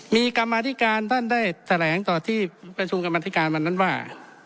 มีกรรมาธิการท่านได้แถลงต่อที่ประชุมกรรมธิการวันนั้นว่า